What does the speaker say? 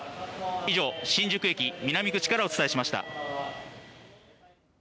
以上、新宿駅南口からお伝えしました。